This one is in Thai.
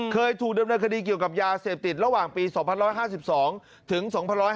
เคยถูกดำเนินคดีเกี่ยวกับยาเสพติดระหว่างปี๒๕๒ถึง๒๕๕๙